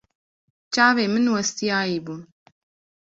Çavên min westiyayî bûn.